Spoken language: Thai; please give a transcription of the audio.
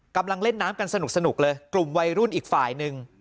กำลังเล่นน้ำกันสนุกเลยกลุ่มวัยรุ่นอีกฝ่ายหนึ่ง